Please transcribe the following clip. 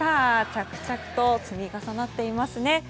着々と積み重なっていますね。